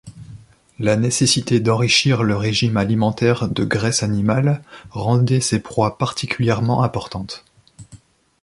La nécessité d'enrichir le régime alimentaire de graisse animale rendait ces proies particulièrement importantes.